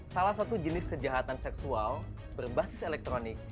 salah satu jenis kejahatan seksual berbasis elektronik